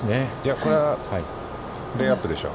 これはレイアップでしょう。